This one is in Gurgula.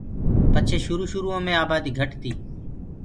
پڇي شروُ شروٚئو مي آباديٚ گھٽ تيٚ۔